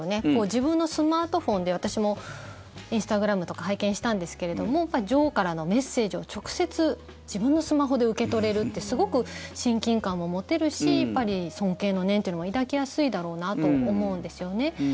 自分のスマートフォンで私もインスタグラムとか拝見したんですけれども女王からのメッセージを直接自分のスマホで受け取れるってすごく親近感も持てるし尊敬の念というのも抱きやすいだろうなと思うんですよね。